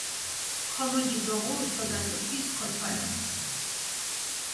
ქომონჯი დოღურუ ცოდას დო თის ქოთვალჷნს.